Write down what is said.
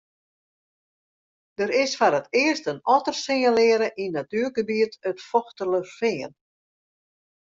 Der is foar it earst in otter sinjalearre yn natuergebiet it Fochtelerfean.